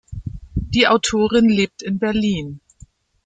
Die Autorin lebt in Berlin.